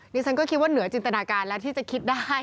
ดิฉันก็คิดว่าเหนือจินตนาการแล้วที่จะคิดได้